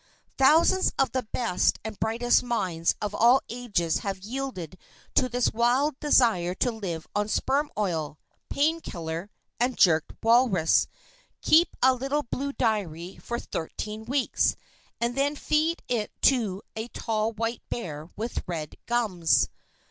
Thousands of the best and brightest minds of all ages have yielded to this wild desire to live on sperm oil, pain killer and jerked walrus, keep a little blue diary for thirteen weeks, and then feed it to a tall white bear with red gums.